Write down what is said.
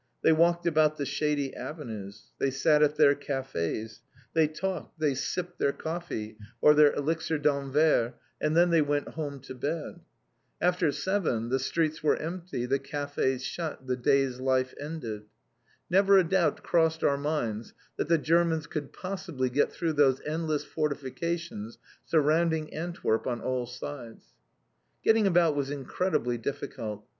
They walked about the shady avenues. They sat at their cafés, they talked, they sipped their coffee, or their "Elixir d'Anvers" and then they went home to bed. After seven the streets were empty, the cafés shut, the day's life ended. Never a doubt crossed our minds that the Germans could possibly get through those endless fortifications surrounding Antwerp on all sides. Getting about was incredibly difficult.